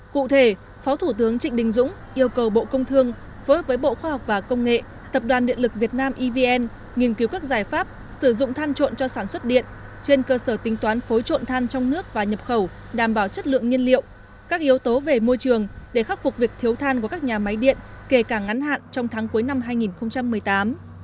cụ thể phó thủ tướng trịnh đình dũng yêu cầu bộ công thương phối hợp với bộ khoa học và công nghệ tập đoàn điện lực việt nam evn nghiên cứu các giải pháp sử dụng than trộn cho sản xuất điện trên cơ sở tính toán phối trộn than trong nước và nhập khẩu đảm bảo chất lượng nhiên liệu các yếu tố về môi trường để khắc phục việc thiếu than của các nhà máy điện kể cả ngắn hạn trong tháng cuối năm hai nghìn một mươi tám